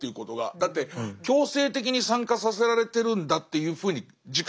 だって強制的に参加させられてるんだっていうふうに自覚はないですよね。